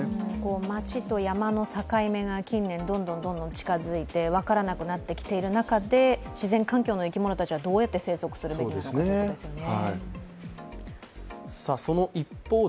町と山の境目が近年、どんどん近づいて分からなくなってきている中で自然環境の生き物たちはどうやって生息するかですね。